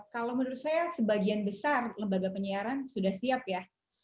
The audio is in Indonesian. kalau menurut saya sebagian besar lembaga penyiaran sudah siap ya